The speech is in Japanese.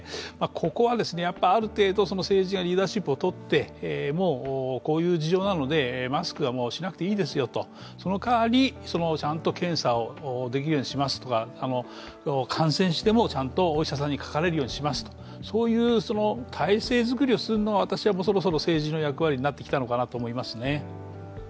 ここはある程度政治がリーダーシップをとってこういう事情なのでマスクはしなくていいですよと、その代わり、ちゃんと検査をできるようにしますとか、感染してもちゃんとお医者さんにかかれるようにします、そういう体制作りをするのがそろそろ政治の役割になってきたのかなと思いますね。